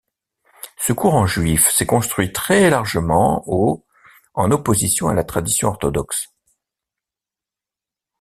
Ce courant juif s'est construit très largement au en opposition à la tradition orthodoxe.